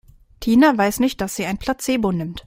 Tina weiß nicht, dass sie ein Placebo nimmt.